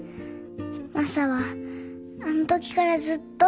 マサはあの時からずっと。